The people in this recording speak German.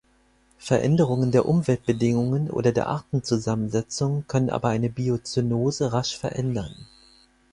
Veränderungen der Umweltbedingungen oder der Artenzusammensetzung können aber eine Biozönose rasch verändern.